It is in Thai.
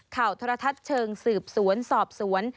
โทรทัศน์เชิงสืบสวนสอบสวน